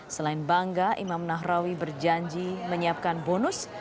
selain bangga imam nahrawi berjanji menyiapkan bonus